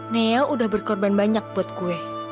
neo udah berkorban banyak buat kue